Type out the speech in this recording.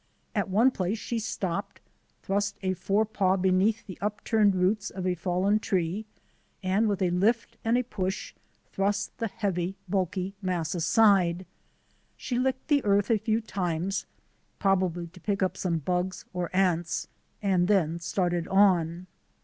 At one place she stopped, thrust a forepaw beneath the upturned roots of a fallen tree, and, with a lift WAITING IN THE WILDERNESS 39 and a push, thrust the heavy, bulky mass aside. She licked the earth a few times, probably to pick up some bugs or ants, and then started on.